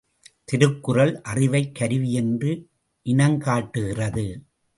திருக்குறள், அறிவைக் கருவியென்று இனங் காட்டுகிறது.